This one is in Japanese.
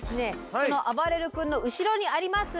そのあばれる君の後ろにあります